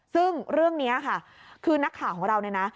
ซึ่งเรื่องนี้ค่ะคือนักข่าวของเราเนี่ยนะ